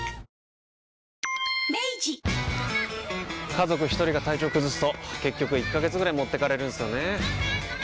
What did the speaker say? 家族一人が体調崩すと結局１ヶ月ぐらい持ってかれるんすよねー。